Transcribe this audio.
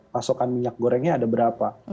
pasokan minyak gorengnya ada berapa